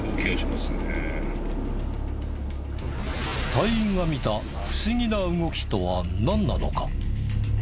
隊員が見た不思議な動きとはなんなのか？